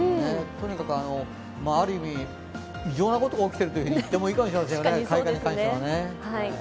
とにかくある意味、異常なことが起きていると言ってもいいかもしれませんよね、開花に関しては。